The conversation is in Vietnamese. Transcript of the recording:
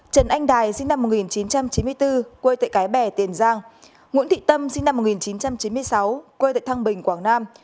trần anh đài sinh năm một nghìn chín trăm chín mươi bốn quê tại cái bè tiền giang nguyễn thị tâm sinh năm một nghìn chín trăm chín mươi sáu quê tại thăng bình quảng nam